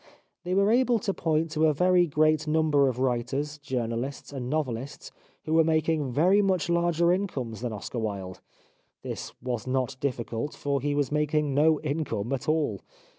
They were able to point to a very great number of writers, journalists and novelists who were making very much larger incomes than Oscar Wilde. This was not difficult, for he was making no income at all.